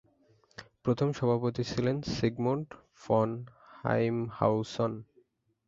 প্রথম সভাপতি ছিলেন সিগমুন্ড ফন হাইমহাউসন।